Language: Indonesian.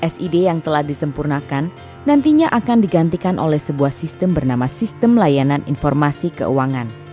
sid yang telah disempurnakan nantinya akan digantikan oleh sebuah sistem bernama sistem layanan informasi keuangan